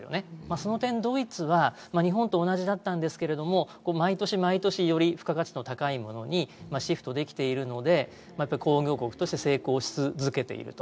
その点、ドイツは日本と同じだったんですけども、毎年毎年より付加価値の高いものにシフトし続けているので、工業国として成功し続けていると。